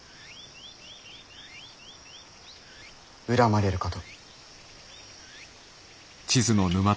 恨まれるかと。